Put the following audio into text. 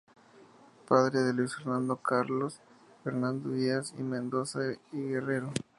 Padre de Luis Fernando y Carlos Fernando Díaz de Mendoza y Guerrero.